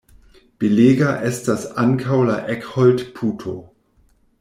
Belega estas ankaŭ la Eckholdt-puto.